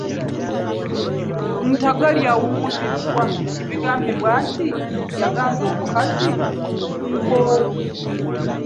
Ntagali awummuziddwa ku bigambibwa nti yaganza omukazi omufumbo.